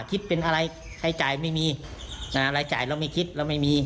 คิดเป็นอะไรใครจ่ายไม่มีอะไรจ่ายเราไม่คิดเราไม่มี